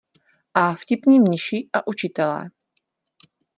A vtipní mniši a učitelé.